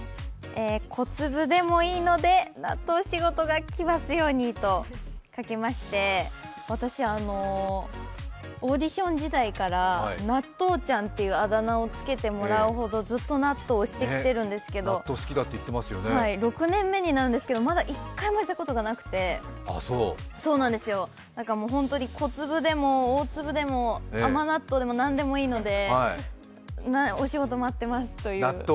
書きました私も。と書きまして、私オーディション時代から、納豆ちゃんってあだ名をつけてもらうほどずっと納豆を推してきているんですけど６年目になるんですけど、まだ１回もいただいたことがなくて、なんかもう本当に小粒でも大粒でも甘納豆でも何でもいいので、お仕事待ってますという。